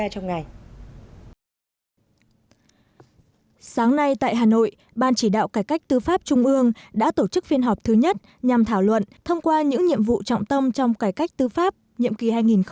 sáng nay tại hà nội ban chỉ đạo cải cách tư pháp trung ương đã tổ chức phiên họp thứ nhất nhằm thảo luận thông qua những nhiệm vụ trọng tâm trong cải cách tư pháp nhiệm kỳ hai nghìn một mươi chín hai nghìn hai mươi năm